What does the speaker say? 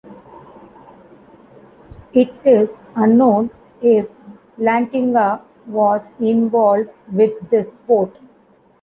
It is unknown if Lantinga was involved with this port.